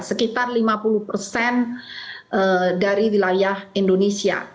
sekitar lima puluh persen dari wilayah indonesia